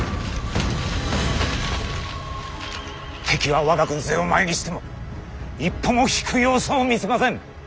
敵は我が軍勢を前にしても一歩も引く様子を見せません。